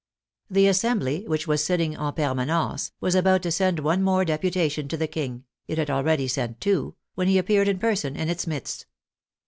The Assembly, which was sitting en permanence, was about to send one more deputation to the King (it had already sent two) when he appeared in person in its midst.